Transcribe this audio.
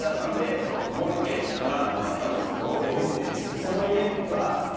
その家は。え！？